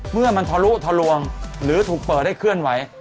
เมื่อมันทะลุทะลวงหรือถูกเปิดให้เคลื่อนไหว